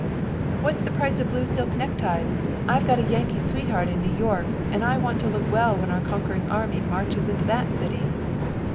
"What's the price of blue silk neckties? I've got a Yankee sweetheart in New York, and I want to look well when our conquering army marches into that city!"